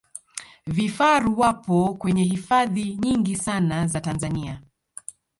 vifaru wapo kwenye hifadhi nyingi sana za tanzania